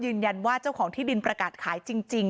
ยืนยันว่าเจ้าของที่ดินประกาศขายจริง